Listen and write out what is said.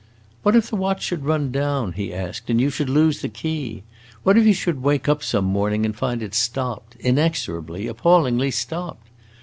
"What if the watch should run down," he asked, "and you should lose the key? What if you should wake up some morning and find it stopped, inexorably, appallingly stopped?